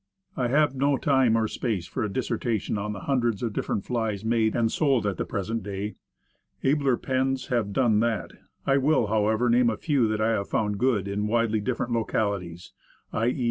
I have no time or space for a dissertation on the hundreds of different flies made and sold at the present day. Abler pens have done that. I will, however, name a few that I have found good in widely different local ities, i. e.